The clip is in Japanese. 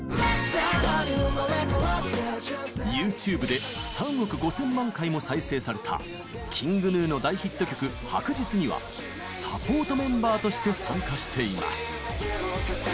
ＹｏｕＴｕｂｅで３億５０００万回も再生されたＫｉｎｇＧｎｕの大ヒット曲「白日」にはサポートメンバーとして参加しています。